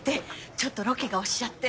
ちょっとロケが押しちゃって。